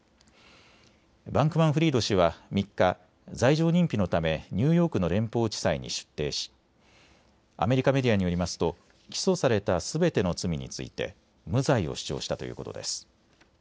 バンクマンフリード氏は３日、罪状認否のためニューヨークの連邦地裁に出廷しアメリカメディアによりますと起訴されたすべての罪について無罪を主張したということです。